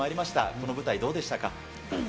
この舞台、どうでしたか？